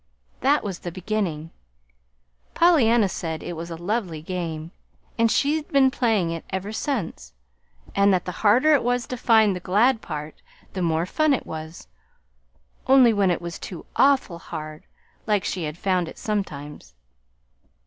That was the beginning. Pollyanna said it was a lovely game, and she'd been playing it ever since; and that the harder it was to find the glad part, the more fun it was, only when it was too AWFUL hard, like she had found it sometimes."